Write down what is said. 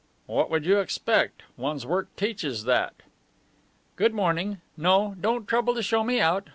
"What would you expect? One's work teaches that." "Good morning. No, don't trouble to show me out.